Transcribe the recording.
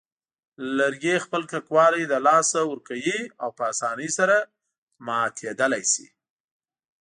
لرګي خپل کلکوالی له لاسه ورکوي او په آسانۍ سره ماتولای شي.